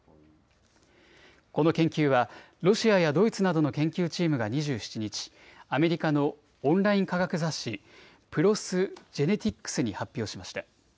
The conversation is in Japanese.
この研究はロシアやドイツなどの研究チームが２７日、アメリカのオンライン科学雑誌、プロス・ジェネティックスに発表しました。